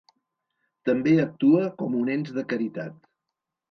També actua com un ens de caritat.